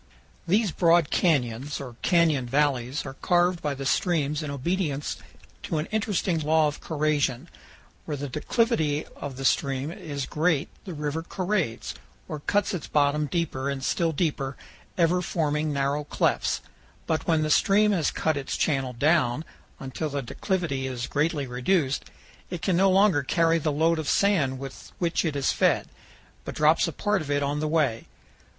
These broad canyons, or canyon valleys, are carved by the streams in obedience to an interesting law of corrasion. Where the declivity of the stream is great the river corrades, or cuts its bottom deeper and still deeper, ever forming narrow clefts, but when the stream has cut its channel down until the declivity is greatly reduced, it can no longer carry the load of sand with which it is fed, but drops 332 powell canyons 206.jpg DANCE PARAPHERNALIA FROM TUSAYAN. OVER THE RIVER. 333 a part of it on the way.